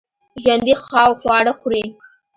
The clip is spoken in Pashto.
ژوندي خواړه خوري